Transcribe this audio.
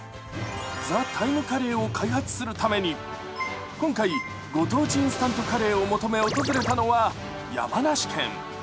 カレーを開発するために今回ご当地インスタントカレーを求め訪れたのは山梨県。